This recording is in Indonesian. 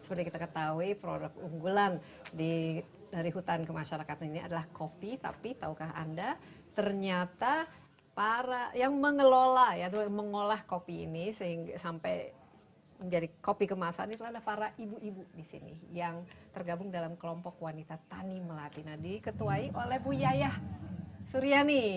seperti kita ketahui produk unggulan dari hutan kemasyarakatan ini adalah kopi tapi tahukah anda ternyata para yang mengelola ya mengolah kopi ini sehingga sampai menjadi kopi kemasan itu ada para ibu ibu di sini yang tergabung dalam kelompok wanita tani melatina diketuai oleh bu yayah suriani